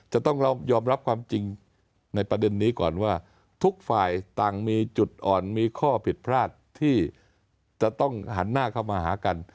จะต้องยอมรับความจริงในประเด็นนี้ก่อนว่าทุกฝ่ายต่างมีจุดอ่อนมีข้อผิดพลาดที่จะต้องหันหน้าเข้ามาหากัน